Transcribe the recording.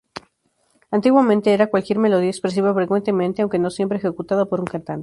Antiguamente, era cualquier melodía expresiva frecuentemente, aunque no siempre, ejecutada por un cantante.